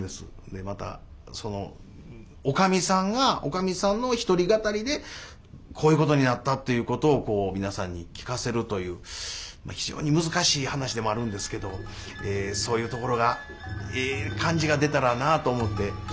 でまたそのおかみさんがおかみさんの一人語りでこういうことになったということを皆さんに聞かせるという非常に難しい噺でもあるんですけどそういうところがええ感じが出たらなと思って聴いて頂きます。